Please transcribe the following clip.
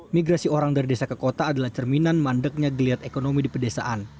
migrasi orang dari desa ke kota adalah cerminan mandeknya geliat ekonomi di pedesaan